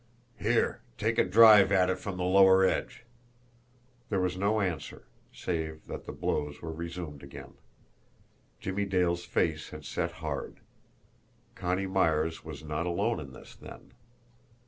"Here, take a drive at it from the lower edge!" There was no answer save that the blows were resumed again. Jimmie Dale's face had set hard. Connie Myers was not alone in this, then!